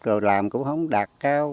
rồi làm cũng không đạt cao